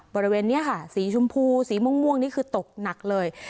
บริเวณนี้ค่ะสีชมพูสีม่วงนี่คือตกหนักเลย